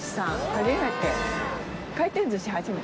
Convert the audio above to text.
初めて。